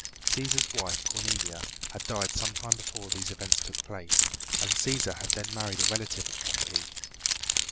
Cæsar's wife, Cornelia, had died sometime before these events took place, and Cæsar had then married a relative of Pompey.